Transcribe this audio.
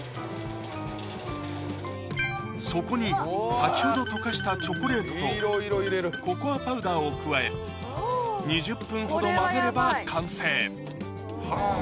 そこに先ほど溶かしたチョコレートとココアパウダーを加え２０分ほど混ぜれば完成